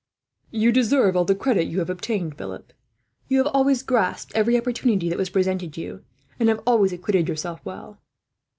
"You deserve all the credit you have obtained, Philip. You have grasped every opportunity that was presented to you, and have always acquitted yourself well.